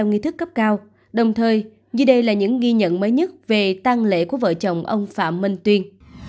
như đây là những ghi nhận mới nhất về tăng lễ của vợ chồng ông phạm minh tuyên